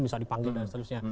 bisa dipanggil dan seterusnya